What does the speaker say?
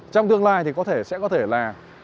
trong tương lai thì có thể sẽ có thể là